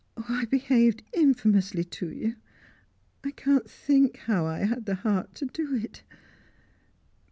"I behaved infamously to you! I can't think how I had the heart to do it!"